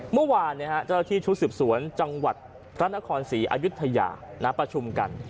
เมื่อวานเจ้าที่ชุดสืบสวนจังหวัดพระนครศรีอายุทยาประชุมกัน